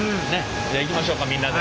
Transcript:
じゃあいきましょうかみんなで。